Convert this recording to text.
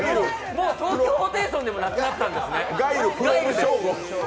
もう東京ホテイソンでもなくなったんですね。